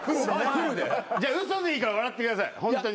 じゃあ嘘でいいから笑ってくださいホントに。